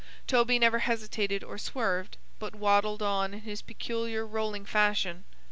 Toby never hesitated or swerved, but waddled on in his peculiar rolling fashion.